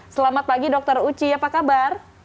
selamat pagi dr uci apa kabar